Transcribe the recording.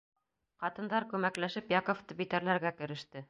Ҡатындар күмәкләшеп Яковты битәрләргә кереште.